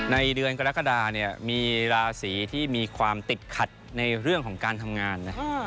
ในเดือนกรกฎาเนี่ยมีราศีที่มีความติดขัดในเรื่องของการทำงานนะ